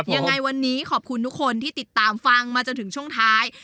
ยังไงวันนี้ขอบคุณทุกคนที่ติดตามฟังมาจนถึงช่วงท้าย